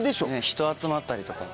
人集まったりとか。